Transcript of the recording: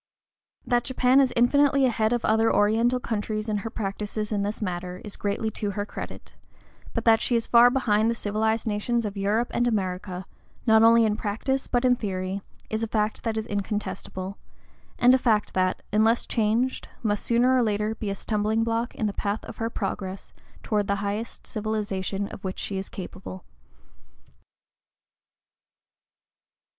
That Japan is infinitely ahead of other Oriental countries in her practices in this matter is greatly to her credit; but that she is far behind the civilized nations of Europe and America, not only in practice but in theory, is a fact that is incontestable, and a fact that, unless changed, must sooner or later be a stumbling block in the path of her progress toward the highest civilization of which she is capable.